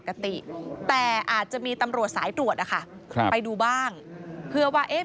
ปกติแต่อาจจะมีตำรวจสายตรวจนะคะครับไปดูบ้างเพื่อว่าเอ๊ะ